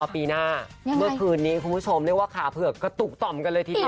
ปีหน้าเมื่อคืนนี้คุณผู้ชมเรียกว่าขาเผือกกระตุกต่อมกันเลยทีเดียว